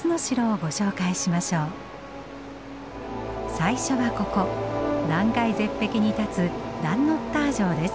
最初はここ断崖絶壁に立つダンノッター城です。